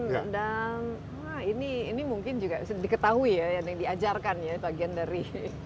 dan ini mungkin juga bisa diketahui ya yang diajarkan ya bagian dari